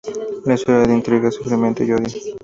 Una historia de intrigas, sufrimiento y odio.